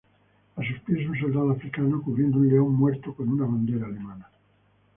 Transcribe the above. A sus pies, un soldado africano cubriendo un león muerto con una bandera alemana.